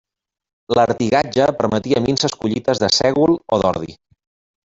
L'artigatge permetia minses collites de sègol o d'ordi.